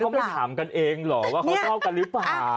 แล้วพวกเราถามกันเองเหรอว่าเขาต้องกันหรือเปล่า